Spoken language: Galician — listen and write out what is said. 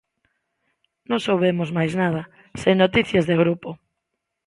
Non soubemos máis nada, sen noticias de grupo.